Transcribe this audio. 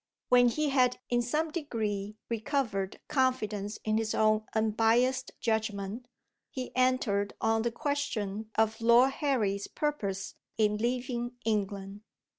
When he had in some degree recovered confidence in his own unbiased judgment, he entered on the question of Lord Harry's purpose in leaving England.